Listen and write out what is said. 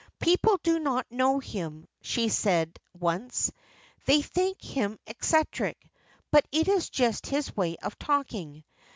"People do not know him," she said once "they think him eccentric; but it is just his way of talking.